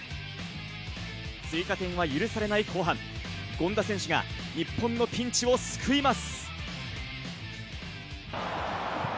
追加点は許されない後半、権田選手が日本のピンチを救います。